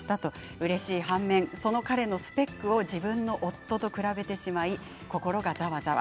うれしい反面その彼のスペックを自分の夫と比べてしまい心がざわざわ。